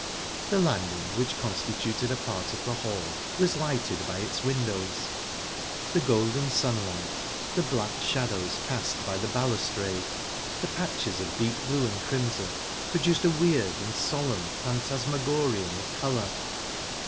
The landing, which constituted a part of the hall, was lighted by its windows; the golden sunlight, the black shadows cast by the balustrade, the patches of deep blue and crimson, produced a weird and solemn phantasmagoria of colour.